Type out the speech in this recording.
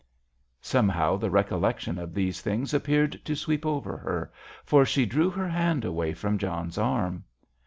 Somehow the recollection of these things appeared to sweep over her, for she drew her hand away from John's arm.